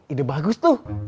ide bagus tuh